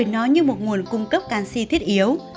nó như một nguồn cung cấp canxi thiết yếu